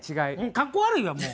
かっこ悪いわもう。